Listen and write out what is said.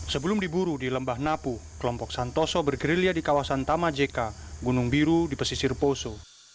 sebelum diburu di lembah napu kelompok santoso bergerilya di kawasan tamajeka gunung biru di pesisir poso